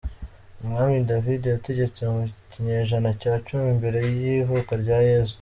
Umwami David yategetse mu kinyejana cya cumi mbere y’ivuka rya Yesu.